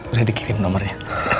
udah dikirim nomernya